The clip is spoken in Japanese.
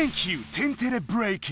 「天てれブレイキン」！